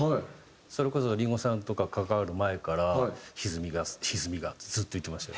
それこそ林檎さんとか関わる前から「歪みが歪みが」ってずっと言ってましたよ。